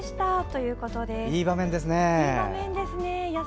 いい場面ですね。